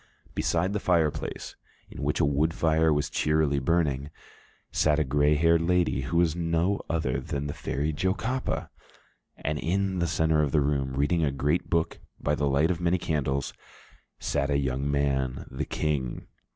Beside the fireplace, in which a wood fire was cheerily burning, sat a gray haired lady, who was no other than the Fairy Jocapa, and in the centre of the room, reading a great book by the light of many candles, sat a young man, the King.